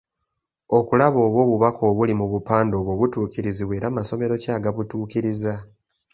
Okulaba oba obubaka obuli mu bupande obwo butuukirizibwa era masomero ki agabutuukiriza.